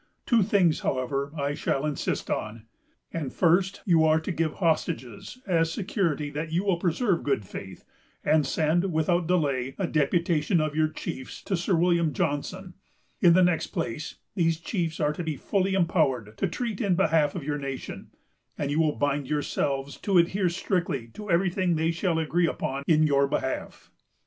Two things, however, I shall insist on. And, first, you are to give hostages, as security that you will preserve good faith, and send, without delay, a deputation of your chiefs to Sir William Johnson. In the next place, these chiefs are to be fully empowered to treat in behalf of your nation; and you will bind yourselves to adhere strictly to every thing they shall agree upon in your behalf."